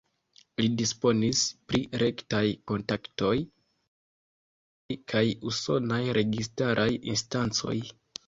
Li disponis pri rektaj kontaktoj al britaj kaj usonaj registaraj instancoj.